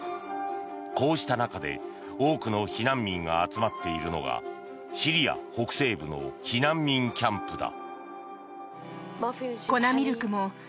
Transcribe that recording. こうした中で多くの避難民が集まっているのがシリア北西部の避難民キャンプだ。